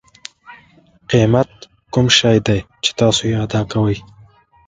قیمت کوم شی دی چې تاسو یې ادا کوئ.